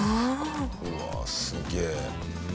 うわすげえ。